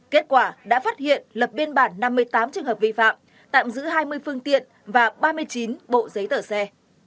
kết quả đã phát hiện lập biên bản năm mươi tám trường hợp vi phạm tạm giữ hai mươi phương tiện và ba mươi chín bộ giấy tờ xe